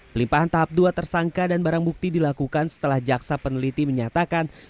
pelimpahan tahap dua tersangka dan barang bukti dilakukan setelah jaksa peneliti menyatakan